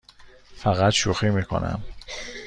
فقط شوخی می کنم.